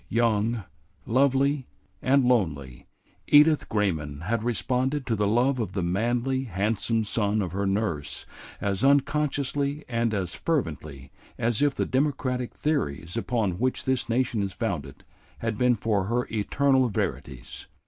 Young, lovely, and lonely, Edith Grayman had responded to the love of the manly, handsome son of her nurse as unconsciously and as fervently as if the democratic theories upon which this nation is founded had been for her eternal verities.